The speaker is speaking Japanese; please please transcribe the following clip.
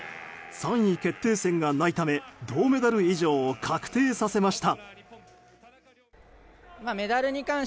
３位決定戦がないため銅メダル以上を確定させました。